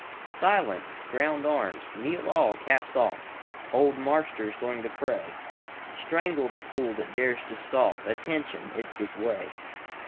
Silence! Ground arms! Kneel all! Caps off! Old Marster's going to pray. Strangle the fool that dares to scoff:Attention!—it 's his way.